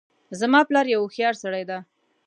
زما پلار یو هوښیارسړی ده